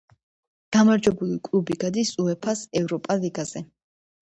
გამარჯვებული კლუბი გადის უეფა-ს ევროპა ლიგაზე.